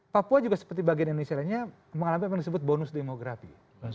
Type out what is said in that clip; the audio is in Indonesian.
papua juga seperti bagian indonesia lainnya mengalami apa yang disebut bonus demografi